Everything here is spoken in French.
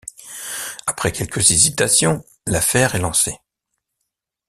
Après quelques hésitations, l'affaire est lancée.